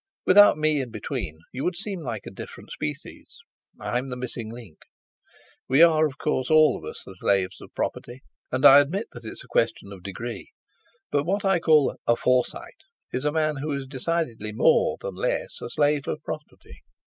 Without me in between, you would seem like a different species. I'm the missing link. We are, of course, all of us the slaves of property, and I admit that it's a question of degree, but what I call a 'Forsyte' is a man who is decidedly more than less a slave of property.